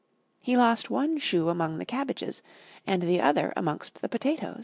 He lost one shoe among the cabbages, and the other amongst the potatoes.